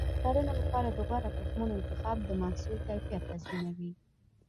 د کرنې لپاره د غوره تخمونو انتخاب د محصول کیفیت تضمینوي.